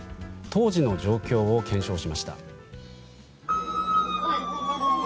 当時の状況を検証しました。